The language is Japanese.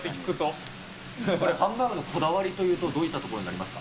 これ、ハンバーグのこだわりというと、どういったところになりますか。